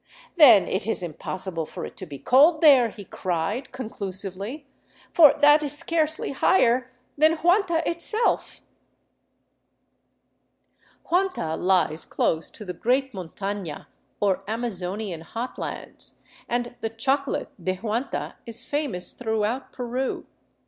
" Then it is impossible for it to be cold there," he cried, conclusively, " for that is scarcely higher than Huanta itself." Huanta lies close to the great montana, or Amazonian hot lands, and the " chocolate de Huanta " is famous throughout Peru.